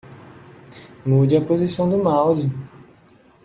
Mude a posição do mouse.